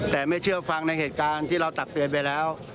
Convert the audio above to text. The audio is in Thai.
แต่ไม่เชื่อฟังในเหตุการณ์ที่เราตักเตือนไปแล้ว